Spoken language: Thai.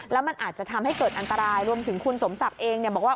แล้วมันอาจจะทำให้เกิดอันตรายรวมถึงคุณสมศักดิ์เองบอกว่า